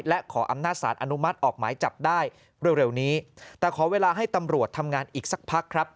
และขออำนาจสารอนุมัติออกหมายจับได้เร็วนี้แต่ขอเวลาให้ตำรวจทำงานอีกสักพักครับ